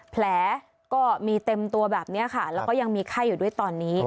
แผลก็มีเต็มตัวแบบนี้ค่ะแล้วก็ยังมีไข้อยู่ด้วยตอนนี้